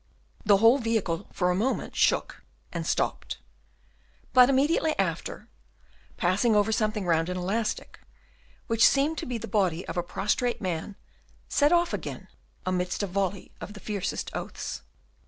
The whole vehicle for a moment shook and stopped; but immediately after, passing over something round and elastic, which seemed to be the body of a prostrate man set off again amidst a volley of the fiercest oaths.